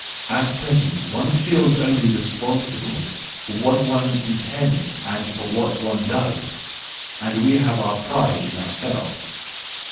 At present one only feels respon¬ sible for what one intends and for what one does, and we have our pride in ourselves.